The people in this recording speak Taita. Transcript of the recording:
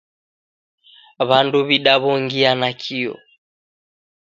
W'andu w'idaw'ongia nakio